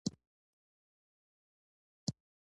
ایا سیروم مو لګولی دی؟